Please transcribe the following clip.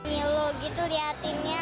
nih lo gitu liatinnya